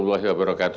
waalaikumsalam wr wb